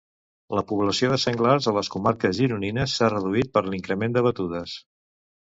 La població de senglars a les comarques gironines s'ha reduït per l'increment de batudes.